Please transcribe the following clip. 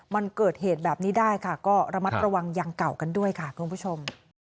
มันเกิดเหตุแบบนี้ได้ค่ะก็ระมัดระวังยังเก่ากันด้วยค่ะคุณผู้ชม